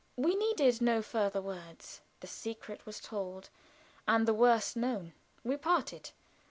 We needed not further words. The secret was told, and the worst known. We parted.